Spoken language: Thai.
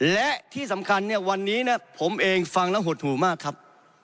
และที่สำคัญเนี่ยวันนี้ผมเองฟังแล้วหดหูมากครับ